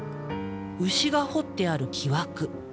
牛が彫ってある木枠。